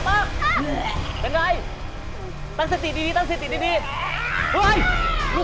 มันเป็นอะไรก็ไม่รู้